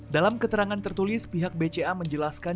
dalam keterangan tertulis pihak bca menjelaskan